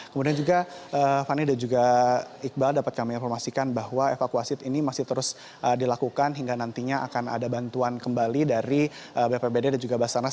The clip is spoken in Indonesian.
kemudian juga fani dan juga iqbal dapat kami informasikan bahwa evakuasi ini masih terus dilakukan hingga nantinya akan ada bantuan kembali dari bpbd dan juga basarnas